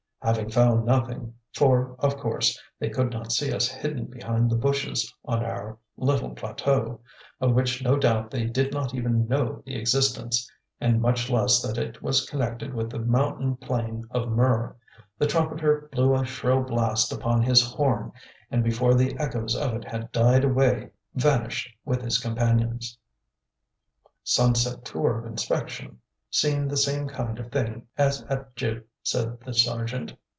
Having found nothing, for, of course, they could not see us hidden behind the bushes on our little plateau, of which no doubt they did not even know the existence, and much less that it was connected with the mountain plain of Mur, the trumpeter blew a shrill blast upon his horn, and before the echoes of it had died away, vanished with his companions. "Sunset tour of inspection. Seen the same kind of thing as at Gib.," said the Sergeant.